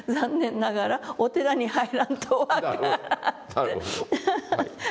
なるほど。